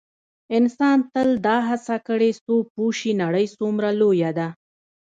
انسان تل دا هڅه کړې څو پوه شي نړۍ څومره لویه ده.